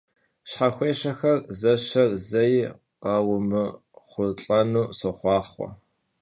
Şhexuêşexer zeşer zei khaymıxhulh'enu soxhuaxhue!